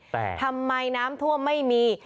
แต่ทำไมน้ำท่วมไม่มี